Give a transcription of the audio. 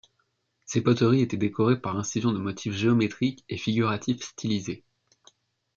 Ces poteries étaient décorées par incision de motifs géométriques et figuratifs stylisés.